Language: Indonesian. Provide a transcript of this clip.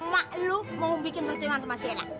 mak lu mau bikin pertunjukan sama si ella